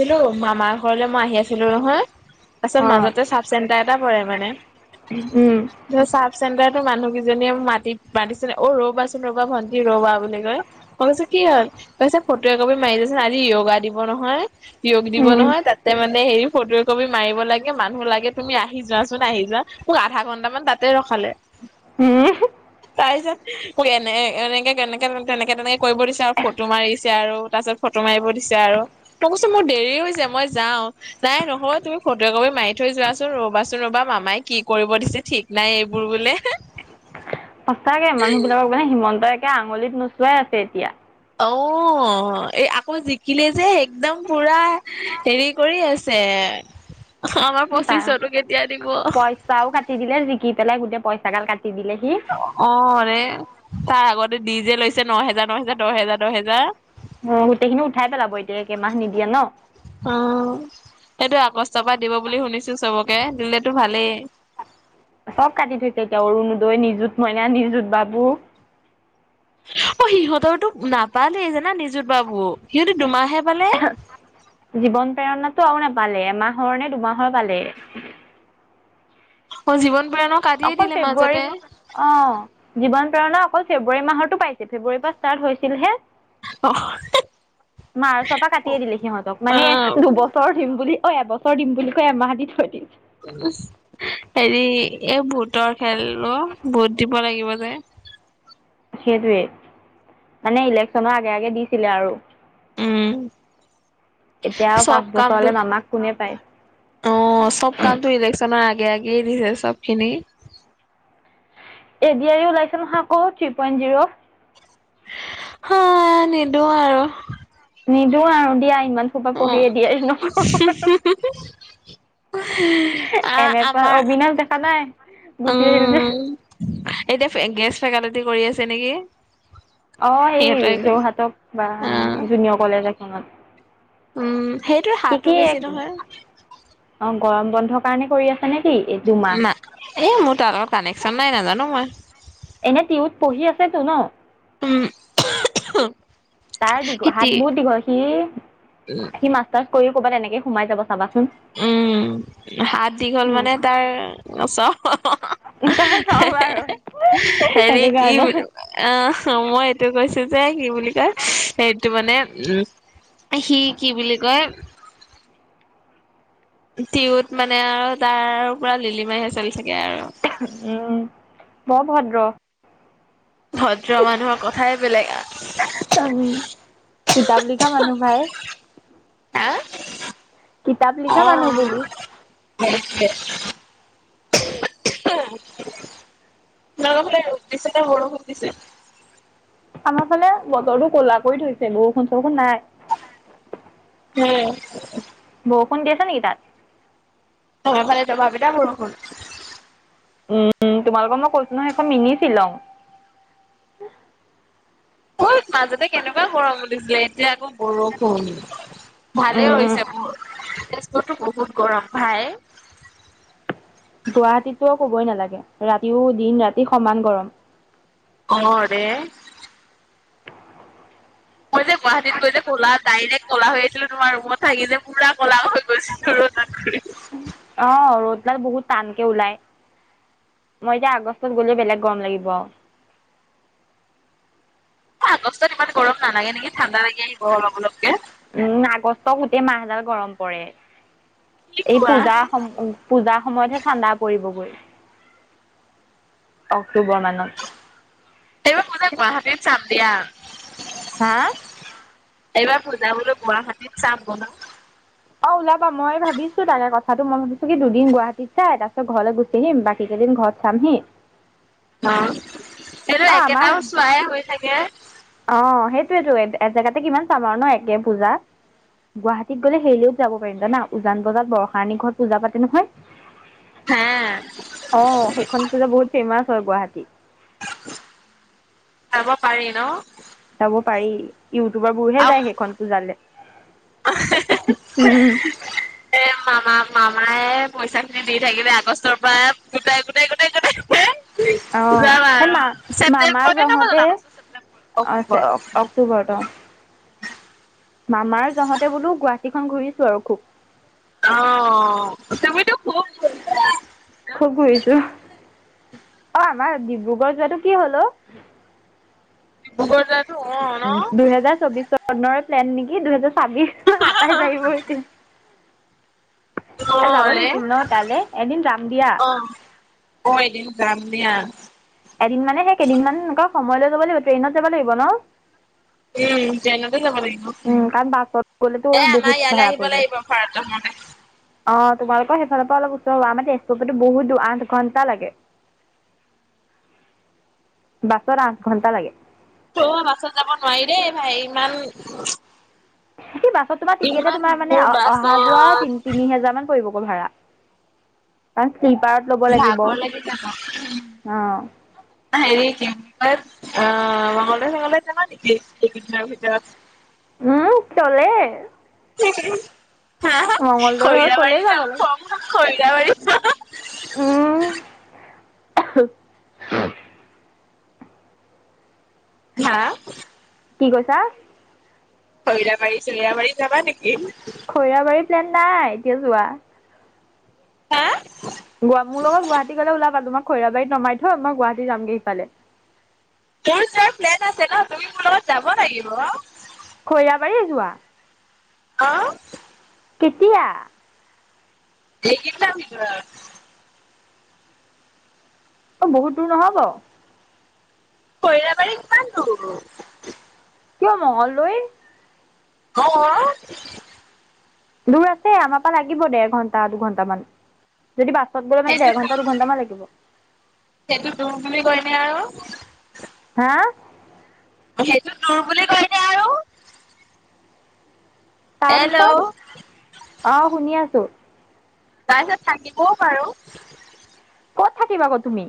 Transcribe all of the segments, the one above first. [unintelligible] মামাৰ ঘৰলে মই আহি আছিলো নহয় তাৰপিছত অ মাজতে চাব চেণ্টাৰ এটা পৰে মানে উম চাব চেণ্টাৰতো মানুহকেইজনীয়ে মাতি মাতিছে অ ৰবাচোন ৰবা ভণ্টি ৰবা বুলি কয় মই কৈছে কি হল কৈছে ফটো এ কপি মাৰি দেচোন আজি য়গা দিবস নহয় য়োগ দিব উম নহয় তাতে মানে হেৰি ফটো কপি মাৰিব লাগে মানুহ লাগে তুমি আহি যোৱা চোন আহি যোৱা মোক আধা ঘণ্টামান তাতে ৰখালে হোম তাৰ পিছত মোক এনে এনেকে এনেকে তেনেকে তেনেকে কৰিব দিছে আৰু ফটো মাৰিছে আৰু তাৰপিছত ফটো মাৰিব দিছে আৰু মই কৈছো মোৰ দেৰি হৈছে মই যাও নাই নহব তুমি ফটো একপি মাৰি থৈ যোৱাচোন ৰবাচোন ৰবা মামাই কি কৰিব দিছে ঠিক নাই এইবোৰ বোলে- সঁচাকে মানুহবিলাকক মানে হিমন্তই একে আঙুলিত নোচোৱাই আছে এতিয়া অ এই আকৌ জিকিলে যে একদম পুৰা হেৰি কৰি আছে আমাৰ পঁচিশতো কেতিয়া দিব তাও কাটি দিলে জিকি পেলাই গোটেই পইচা গাল কাটি দিলে সি। অ ৰে তাৰে আগতে দি যে লৈছে ন হেজাৰ ন হেজাৰ দহ হেজাৰ দহ হেজাৰ। অ গোটেইখিনি উঠাই পেলাব এইকে মাহ নিদিয়ে ন। উ সেইটোৱে আগষ্টৰ পৰা দিব বুলি শুনিছো চবকে দিলেতো ভালেই। চব কাটি থৈছে এতিয়া অৰুণোদয়, নিযুঁত মইনা, নিজুত বাবু। অ সিহঁতৰতো নাপালেই জানা নিজুত বাবু সিহঁতে দুমাহে পালে। জীৱন প্ৰেৰণাটো আৰু নাপালে এমাহৰ নে দুমাহৰ পালে। অ জীৱন প্ৰেৰণাও কাটিয়েই অকল দিলে ফেব্ৰুৱাৰী মাজতে। অ জীৱন প্ৰেৰণা অকল ফেব্ৰুৱাৰী মাহৰতো পাইছিল ফেব্ৰুৱাৰীৰ পৰা ষ্টাৰ্ট হৈছিলহে। অ' মাৰ্চৰ পা কাটিয়ে দিলে সিহঁতক মানে দুবছৰ বছৰ দিম বুলি অ এবছৰ দিম বুলি কয় এমাহ দি থৈ দিছে। হেৰি এই ভোটৰ খেল ভোট দিব লাগিব যে। সেইটোৱে মানে ইলেকশ্যনৰ আগে আগে দিছিলে আৰু। উম এতিয়া আৰু চব পাঁচ কামটো বছৰলে মামাক কোনে পায়? অ চব কামটো ইলেকশ্যনৰ আগে আগেয়ে দিছে চব খিনি। এ ডি আৰ ই ওলাইছে নহয় আকৌ থ্ৰী পইণ্ট জিৰ'। হা নিদো আৰু। নিদো আৰু দিয়া ইমান। সোপা পঢ়ি এ ডি আৰি নকৰো আৰু অ আ এম এপা আমাৰ অবিনাশ দেখা নাই গুচি আহিল যে। উম এতিয়া গেষ্ট ফেকালটি কৰি আছে নেকি? অঁ এই সিহঁতৰ সেইকাৰণে যোৰহাটৰ কিবা অ জুনিয়ৰ কলেজ এখনত। উম সেইটো সি হাতো কি বেছি নহয়। অ গৰম বন্ধৰ কাৰণে কৰি আছে। নেকি এই দুমাহ না এ মোৰ তাৰ লগৰ কানেকচন নাই নাজানো মই। এনে টিউত পঢ়ি আছেতো ন? উম। তাৰ দীঘ খেতি হাত বোৰ দীঘল সি সি মাষ্টাৰছ কৰি ক'ৰবাত এনেকে সোমাই যাব চাবাচোন। উম। হাত দীঘল উম মানে তাৰ চ তাৰ চব আৰু হেৰি সেইটো কি কাৰণে। বুলি আহ মই এইটো কৈছো যে কি বুলি কয় এইটো মানে উ সি কি বুলি কয় টিউত মানে আৰু তাৰ পুৰা লিলিমাইহে চলি থাকে আৰু। উম বৰ ভদ্ৰ। ভদ্ৰ মানুহৰ কথাই বেলেগ আৰু। উ কিতাপ লিখা মানুহ ভাই। হা কিতাপ অ লিখা মানুহ বোলো। [unintelligible] থিচাও, চাৰিওফালে ৰ'দ দিছে নে বৰষুণ দিছে? আমাৰ ফালে বতৰতো ক'লা কৰি থৈছে। বৰষুণ- চৰষুণ নাই। উম। বৰষুণ দি আছে নেকি তাত? আমাৰফালে ডবা- পিতা বৰষুণ। উম, উম্ তোমালোকক মই কৈছো নহয়, সেইখন মিনি ছিলঙ। ঐ, মাজতে কেনেকুৱা গৰম দিছিলে, এতিয়া আকৌ বৰষুণ, ভালে হৈছে মোৰ, তেজপুৰতো বহুত গৰম ভাই। গুৱাহাটীতটো ক'বই নালাগে, ৰাতিও দিন ৰাতি সমান গৰম। অ', ৰে। মই যে, গুৱাহাটীত গৈ যে, কলা, ডাইৰেক্ট কলা হৈ আহিছিলোঁ। তোমাৰ ৰুমত থাকি যে, পুৰা কলা হৈ গৈছিলো। ৰ'দত ঘূৰি ঘূৰি অ', ৰ'দডাল বহুত টানকে ওলায়। মই এতিয়া আগষ্টত গ'লে বেলেগ গৰম লাগিব। আগষ্টত ইমান গৰম নালাগে নেকি? ঠাণ্ডা লাগি আহিব অলপ অলপকে। উম, আগষ্টত গোটেই মাহডাল গৰম পৰে। কি এই কোৱা পূজা সম পূজাৰ সময়তহে ঠাণ্ডা পৰিবগৈ, অক্টোবৰ মানত। এইবাৰ পূজা গুৱাহাটীত চাম দিয়া। হা। এইবাৰ পূজা বোলো, গুৱাহাটীত চাম বোলো। অ', ওলাবা, মই ভাবিছোঁ তাৰে কথাটো। মই ভাবিছোঁ কি দুদিন গুৱাহাটীত চাই তাৰ পিছত ঘৰলৈ গুচি এদিন, বাকী কেইদিন ঘৰত চামহি। অ', সেইটো অ আমাৰ একেটাও চোৱায়ে হৈ থাকে। অ', সেইটোয়েতো একজেগাতে কিমান চাম আৰু ন একে পূজা। গুৱাহাটীত গ'লে হেৰিলেও যাব পাৰিম জানা, উজানবজাৰত বৰষাৰাণী ঘৰত পূজা পাতে নহয়। হে অ', সেইখন পূজা বহুত ফেমাচ হয় গুৱাহাটীত। যাব পাৰি ন! যাব পাৰি। ইউটিউবাৰবোৰহে আৰু যায় সেইখন পূজালে। উম। এ মামা, মামায়ে পইচাখিনি দি থাকিলে আগষ্টৰ পৰা গোটাই, গোটাই, গোটাই, গোটাই অ', যাম সেই আৰু মা- মামাৰ ছেপ্তেম্বৰতে ন মই জহতহে, আগষ্ট ছেপ্তেম্বৰ অক্টোবৰ আছে অক্টোবৰত, অঁ। মামাৰ জহতহে বোলো গুৱাহাটীখন ঘূৰিছোঁ আৰু খুব। অ', তুমিতো খুব খুব ফুৰিছোঁ। অ' আমাৰ ডিব্ৰুগড় যোৱাটো কি হ'ল অঁ? ডিব্ৰুগড় যোৱাটো হ'ল উম, দুহেজাৰ চৌব্বিছ চনৰে প্লেন নেকি? দুহেজাৰ ছাব্বিছ গৈ সাতাইছ আহিব এতিয়া। অ এ, যাব ৰে লাগিছিল ন' তালে? এদিন যাম দিয়া। অ অ', এদিন যাম দিয়া। এদিন মানে সেই কেইদিনমান এনেকুৱা সময় লৈ যাব লাগিব। ট্ৰেইনত যাব লাগিব ন'? উম, ট্ৰেইনতে যাব লাগিব। উম, কাৰণ, বাছত গ'লেতো এ আমাৰ বহুত ইয়ালৈ ভাড়া আহিব পৰিব। লাগিব ভাৰত ভ্ৰমণে অ', তোমালোকৰ সেইফালৰ পৰা অলপ ওচৰ হব। আমাৰ তেজপুৰৰ পৰাটো বহুত দূৰ আঠ ঘণ্টা লাগে। [unintelligible] বাছত আঠঘণ্টা লাগে। অ', বাছত যাব নোৱাৰি দেই ভাই, ইমান ই, বাছত তোমাৰ টিকেটে ইমান তোমাৰ মানে, দূৰ অহা- যোৱা বাছত তি- তিনিহেজাৰ মান পৰিবগৈ ভাড়া কাৰণ শ্লীপাৰত ভাগৰ লাগি যাব। অঁ হেৰি কিম অ মঙলদৈ চঙলদৈ যাবা নেকি এইকেইদিনৰ ভিতৰত? উম, কলেজ [unintelligible] মংগলদৈ হৈ ক'লে খৰিৰাবাৰী যাব যাম লাগে? খং খৰিৰাবাৰী উম হা? কি কৈছা? খৈৰাবাৰী, চৈৰাাবাৰী যাবা নেকি? খৈৰাবাৰী প্লেন নাই এতিয়া যোৱা। হা? গুৱা মোৰ লগত গুৱাহাটী গলে ওলাবা, তোমাক খৈৰাবাৰীত নমাই থয় মই গুৱাহাটী যাম গে ইফালে। মোৰ যে প্লেন আছে ন তুমি মোৰ লগত যাব লাগিব। খৈৰাবাৰি যোৱা? অহ। কেতিয়া? এইকেইদিনৰ ভিতৰত। অ বহুত দূৰ নহব? খৈৰাবাৰী কিমান দূৰ। কিয় মংগলদৈ? অ। দূৰ আছে, আমা পা লাগিব দেৰ ঘণ্টা দুঘণ্টামান। যদি বাছত গ'লে মানে সেইটো ডেৰ দূৰ ঘণ্টা দুঘণ্টামান লাগিব। সেইটো দূৰ বুলি কইনে আও। হা? সেইটো দূৰ বুলি কয় নে আৰু। তাপিছত, হেল্ল' অ' শুনি আছো। তাৰপিছত থাকিবও পাৰো। ক'ত থাকিবা আক তুমি?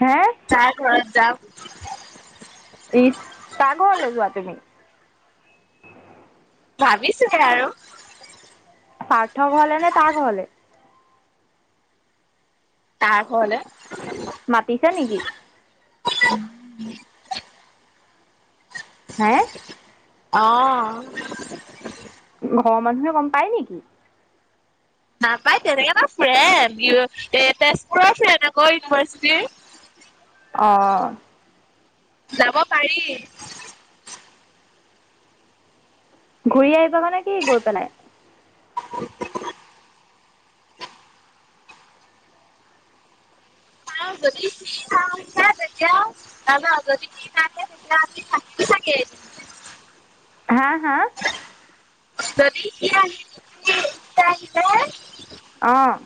হে? চা ঘৰত যাম। ইট কা ঘৰলে যোৱা তুমি? ভাবিছোহে আৰু? পাৰ্থ ঘৰলে নে, তাৰ ঘৰলে? তাৰ ঘৰলে। মাতিছে নেকি? হে? অ। ঘৰ মানুহে গম পায় নেকি? নাপায় তেনেকে ন ফ্ৰেণ্ড, এ তেজপুৰৰ ফ্ৰেণ্ড আকৌ ইউনিভাৰ্চিটিৰ। [inaudible] অ। যাব পাৰি। ঘূৰি আহিবা গৈ নেকি পেলাই? [inaudible] [unintelligible] [unintelligible] হা! হা! [unintelligible] অ'।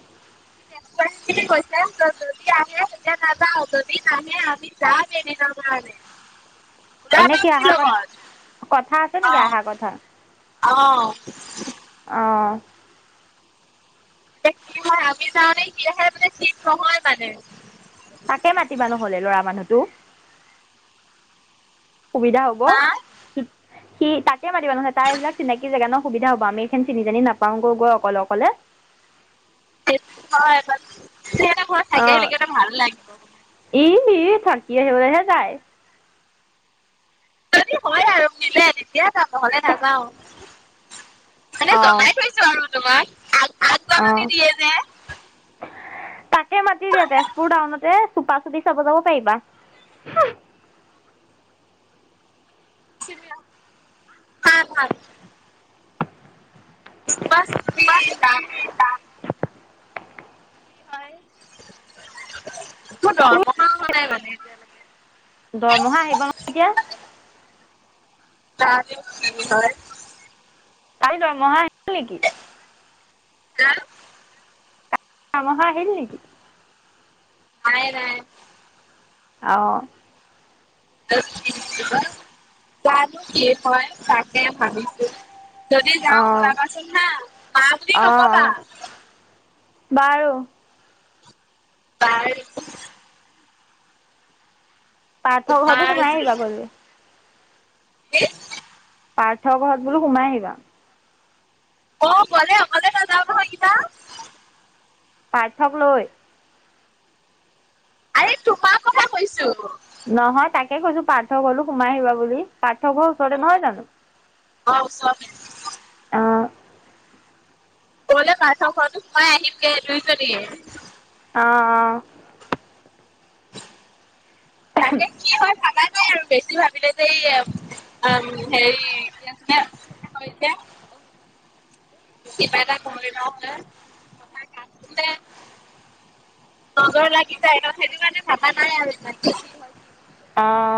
[unintelligible] [unintelligible] এনেকে মোৰ অহা লগত কজকথা আছে নেকি, অ', অহা কথা! অ'। অ'। [unintelligible] তাকে মাতি বা নহলে, ল'ৰা মানুহ টো! সুবিধা হ'ব! হা? সি তাকে মাতিবা নহ'লে, তাৰ এইবিলাক চিনাকি জেগা ন? সুবিধা হ'ব! আমি ইখন চিনি-জানি নাপাওঁ অকলে-অকলে! অঁ [unintelligible] ই, ই, থাকি আহিবলৈহে যায়! যদি হয় আৰু মিলে, তেতিয়া যাম, নহ'লে নাযাওঁ। এনেই জনাই থৈছোঁ আৰু তোমাক। আগজাননী অ'। দিয়ে [inaudible] তাকে মাতি দিয়া! তেজপুৰ টাউনতে চোপা-চুপি চাব যাব পাৰিবা! [unintelligible] চুপা-চুপ! জানো! তোৰ দৰমহা হোৱা তুমি নাই মানে এতিয়ালৈকে? দৰমহা আহিব ন [unintelligible] কালি দৰমহা আহিল নেকি? হা! দৰমহা আহিল নেকি? অহাই নাই। অঁ। জানো কি হয়, তাকে ভাবিছো। যদি যাওঁ, অঁ ওলাবাচোন হা! [unintelligible] অঁ নক'বা। অঁ বাৰু! বাৰু! পাৰ্থ ঘৰতো তোমাৰ সোমাই আহিবা গ'লে। কি? পাৰ্থ ঘৰত বোলো সোমাই আহিবা। অ, গ'লে অকলে নাযাওঁ নহয়, কিবা। পাৰ্থক লৈ! আৰে, তোমাৰ কথা কৈছো! নহয়, তাকে কৈছো। পাৰ্থ ঘৰতো সোমাই আহিবা বুলি, পাৰ্থক ঘৰ ওচৰতে নহয় জানো! অ, ওচৰতে। অ গ'লে পাৰ্থ ঘৰতো সোমাই আহিমগে দুইজনীয়ে। অঁ, অঁ,। তাকে কি হয় ভাবা নাই আৰু বেছি ভাবিলে যে এ আম হেৰি কি আছিল [inaudible] কিবা এটা কৰি ল [inaudible] নজৰ লাগি যায় ন, সেইটো কাৰণে ভাবা নাই আৰু ইমানকে। অঁ।